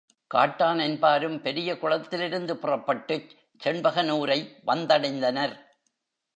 Cotton என்பாரும் பெரிய குளத்திலிருந்து புறப்பட்டுச் செண்பகனூரை வந்தடைந்தனர்.